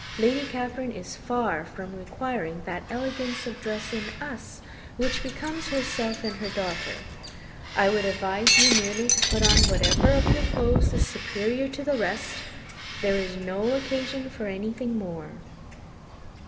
Lady Catherine is far from requiring that elegance of dress in us which becomes herself and daughter. I would advise you merely to put on whatever of your clothes is superior to the rest there is no occasion for anything more.